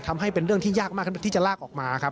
เป็นเรื่องที่ยากมากที่จะลากออกมาครับ